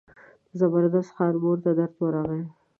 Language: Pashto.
د زبردست خان مور ته درد ورغی.